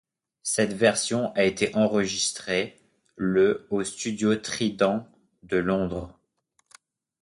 Cette version a été enregistrée le aux studios Trident de Londres.